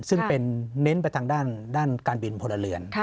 ซึ่งเป็นเน้นไปทางด้านการบินพลเรือน